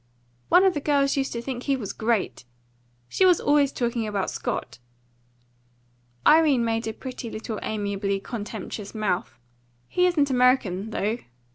"One of the girls used to think he was GREAT. She was always talking about Scott." Irene made a pretty little amiably contemptuous mouth. "He isn't American, though?"